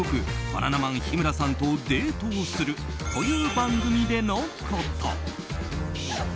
バナナマン日村さんとデートをするという番組でのこと。